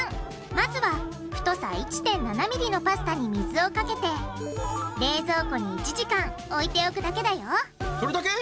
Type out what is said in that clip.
まずは太さ１．７ｍｍのパスタに水をかけて冷蔵庫に１時間置いておくだけだよこれだけ？